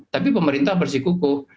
tapi pemerintah bersikuku